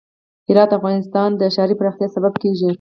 هرات د افغانستان د ښاري پراختیا سبب کېږي.